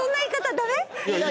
ダメ？